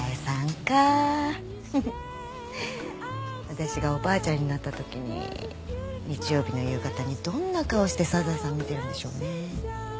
私がおばあちゃんになったときに日曜日の夕方にどんな顔して『サザエさん』見てるんでしょうね？